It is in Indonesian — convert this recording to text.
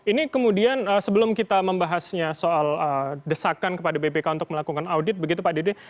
ini kemudian sebelum kita membahasnya soal desakan kepada bpk untuk melakukan audit begitu pak dede